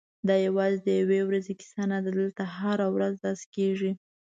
دا یوازې د یوې ورځې کیسه نه ده، دلته هره ورځ داسې کېږي.